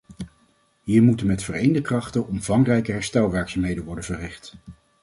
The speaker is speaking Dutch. Hier moeten met vereende krachten omvangrijke herstelwerkzaamheden worden verricht.